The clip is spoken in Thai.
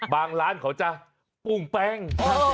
ร้านเขาจะปรุงแป้ง